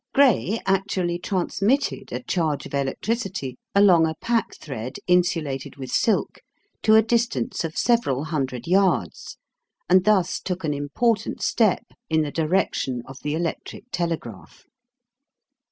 Gray actually transmitted a charge of electricity along a pack thread insulated with silk, to a distance of several hundred yards, and thus took an important step in the direction of the electric telegraph.